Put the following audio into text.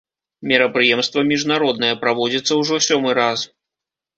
Мерапрыемства міжнароднае, праводзіцца ўжо сёмы раз.